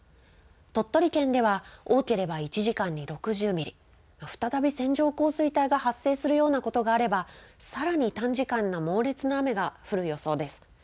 鳥取県では多ければ１時間に６０ミリ、再び線状降水帯が発生するようなことがあればさらに短時間の猛烈な雨が降る予想です。